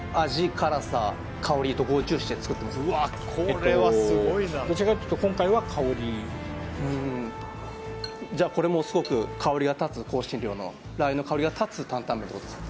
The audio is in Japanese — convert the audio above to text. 保管はえっとどちらかというと今回は香りうんじゃあこれもすごく香りが立つ香辛料のラー油の香りが立つ担々麺ってことですか？